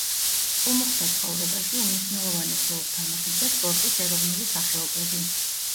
ყუმუხთა ცხოვრებაში უმნიშვნელოვანეს როლს თამაშობდა სპორტის ეროვნული სახეობები.